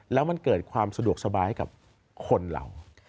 แล้วมันเกิดความสะดวกสบายให้กับคนเรา